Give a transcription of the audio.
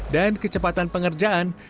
dan kecepatan pengerjaan